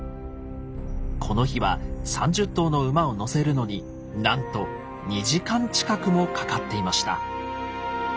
この日は３０頭の馬を乗せるのになんと２時間近くもかかっていました。